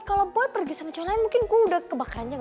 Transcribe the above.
kalau buat pergi sama calon lain mungkin gue udah kebakarannya